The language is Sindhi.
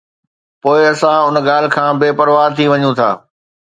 پوءِ اسان ان ڳالهه کان به بي پرواهه ٿي وڃون ٿا